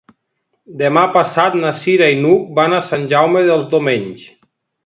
Demà passat na Cira i n'Hug van a Sant Jaume dels Domenys.